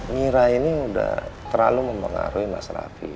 ngira ini udah terlalu mempengaruhi mas raffi